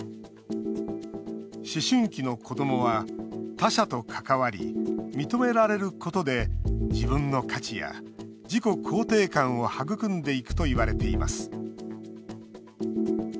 思春期の子どもは他者と関わり、認められることで自分の価値や、自己肯定感を育んでいくといわれています。